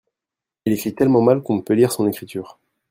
Il écrit tellement mal qu'on ne peut lire son écriture.